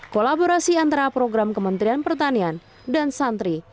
kolaborasi antara program kementerian pertanian dan santri